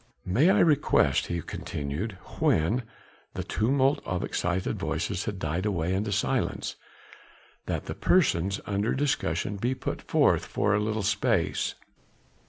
"May I request," he continued when the tumult of excited voices had died away into silence, "that the persons under discussion be put forth for a little space."